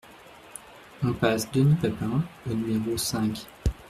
Impasse Denis Papin au numéro cinq